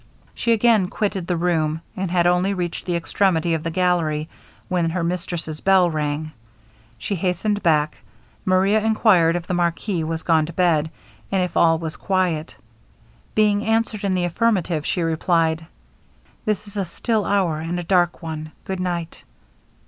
She again quitted the room, and had only reached the extremity of the gallery when her mistress's bell rang. She hastened back, Maria enquired if the marquis was gone to bed, and if all was quiet? Being answered in the affirmative, she replied, 'This is a still hour and a dark one! Good night!'